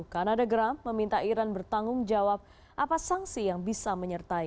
kanada gram meminta iran bertanggung jawab apa sanksi yang bisa menyertai